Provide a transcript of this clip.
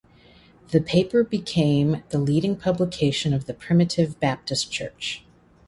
The paper became the leading publication of the Primitive Baptist Church.